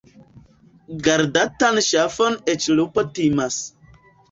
Gardatan ŝafon eĉ lupo timas.